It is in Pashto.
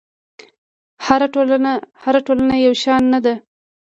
هره ټولنه یو شان نه ده.